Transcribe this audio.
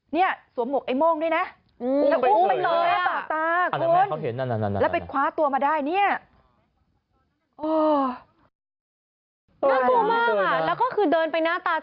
เนี่ยสวมหมวกไอ้โม่งด้วยนะ